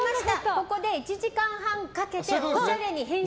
ここで１時間半かけてオシャレに変身。